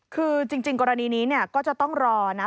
คือจริงกรณีนี้ก็จะต้องรอนะ